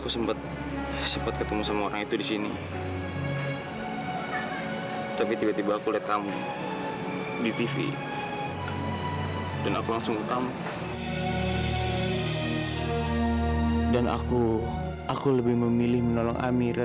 sampai jumpa di video selanjutnya